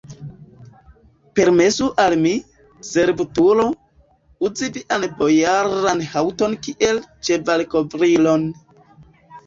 Permesu al mi, servutulo, uzi vian bojaran haŭton kiel ĉevalkovrilon!